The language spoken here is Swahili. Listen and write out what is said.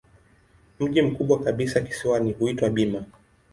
Mji mkubwa kabisa kisiwani huitwa Bima.